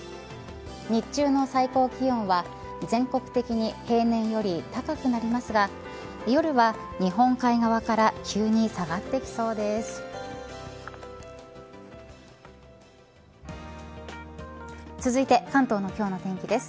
日中の最高気温は全国的に平年より高くなりますが、夜は日本海側から急に下がってきそうです。